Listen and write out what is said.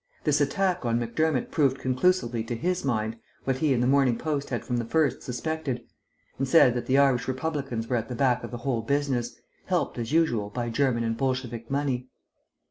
This attack on Macdermott proved conclusively to his mind, what he and the Morning Post had from the first suspected and said, that the Irish Republicans were at the back of the whole business, helped, as usual, by German and Bolshevik money.